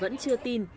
vẫn chưa tin